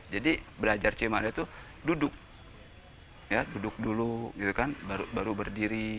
jadi belajar cemande itu duduk duduk dulu baru berdiri